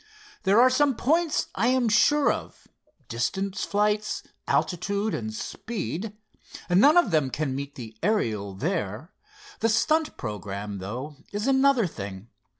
"There are some points I am sure of—distance flights, altitude and speed. None of them can meet the Ariel there. The stunt programme, though, is another thing.